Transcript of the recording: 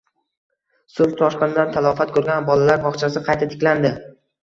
Suv toshqinidan talofat ko‘rgan bolalar bog‘chasi qayta tiklandi